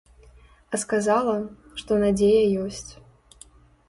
А сказала, што надзея ёсць.